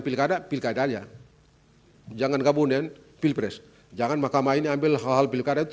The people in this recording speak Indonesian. pilkada pilkadanya jangan gabungin pilpres jangan mahkamah ini ambil hal hal pilkada itu